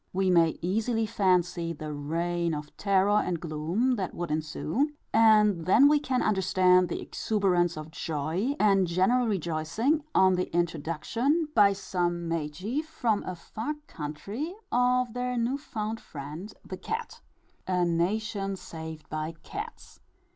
We may easily fancy, the reign of terror and gloom that would ensue; and then we can understand the exuberance of joy, and general rejoicing on the introduction, by some Magi from a far country, of their new found friend the cat. _A nation saved by cats!